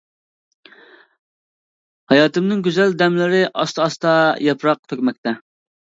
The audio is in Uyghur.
ھاياتىمنىڭ گۈزەل دەملىرى ئاستا-ئاستا ياپراق تۆكمەكتە.